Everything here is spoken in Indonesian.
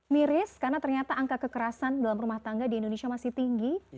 miris karena ternyata angka kekerasan dalam rumah tangga di indonesia masih tinggi